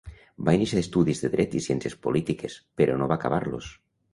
Va iniciar estudis de Dret i Ciències Polítiques, però no va acabar-los.